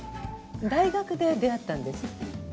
大学で出会ったんですって？